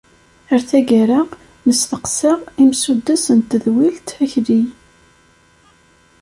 Ar taggara, nesteqsa imsuddes n tedwilt Akli.